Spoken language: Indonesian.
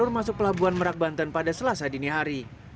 masuk pelabuhan merak banten pada selasa dini hari